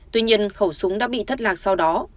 tuy nhiên khẩu súng đã bị thất lạc sau đó